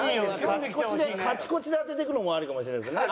『カチコチ』で当ててくるのもありかもしれないですね。